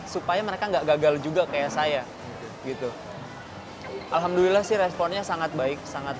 supaya mereka nggak gagal juga kayak saya gitu alhamdulillah sih responnya sangat baik sangat